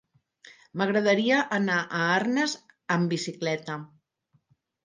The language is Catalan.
M'agradaria anar a Arnes amb bicicleta.